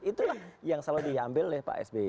itulah yang selalu diambil oleh pak s b